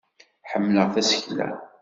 Ḥemmleɣ tasekla.